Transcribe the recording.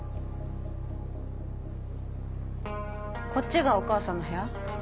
こっちがお母さんの部屋？